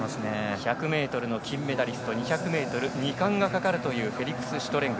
１００の金メダリスト２００ｍ２冠がかかるというフェリクス・シュトレング。